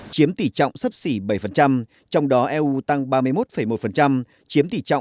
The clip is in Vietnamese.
chiếm tỷ trọng sấp xỉ bảy trong đó eu tăng ba mươi một một chiếm tỷ trọng năm năm